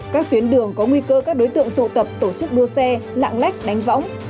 các tuyến đường có nguy cơ các đối tượng tụ tập tổ chức đua xe lạng lách đánh võng